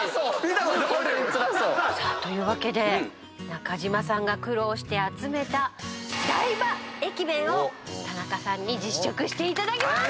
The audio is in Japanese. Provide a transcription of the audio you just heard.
中島さんが苦労して集めた大場駅弁を田中さんに実食していただきます！